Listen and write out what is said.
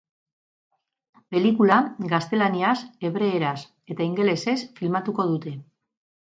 Pelikula gaztelaniaz, hebreeraz eta ingelesez filmatuko dute.